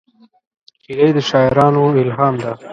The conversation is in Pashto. هیلۍ د شاعرانو الهام ده